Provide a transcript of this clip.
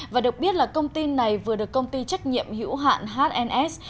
và được biết là công ty này vừa được công ty trách nhiệm hữu hạn hns